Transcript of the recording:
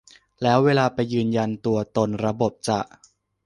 แล้วเวลาไปยืนยันตัวตนระบบจะ